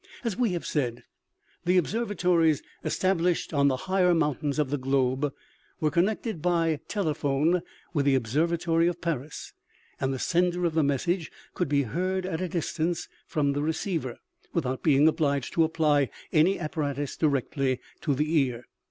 i if As we have said, the observatories established on the higher mountains of the globe were connected by tele phone, with the observatory of Paris, and the sender of the message could be heard at a distance from the receiver, without being obliged to apply any apparatus directly to the ear.